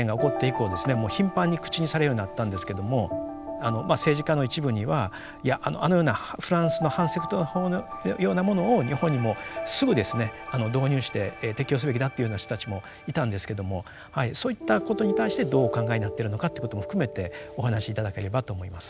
もう頻繁に口にされるようになったんですけども政治家の一部には「いやあのようなフランスの反セクト法のようなものを日本にもすぐですね導入して適用すべきだ」っていうような人たちもいたんですけどもはいそういったことに対してどうお考えになってるのかってことも含めてお話し頂ければと思います。